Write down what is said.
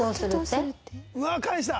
うわっ返した！